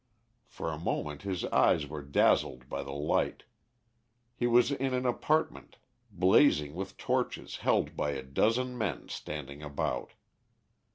For a moment his eyes were dazzled by the light. He was in an apartment blazing with torches held by a dozen men standing about.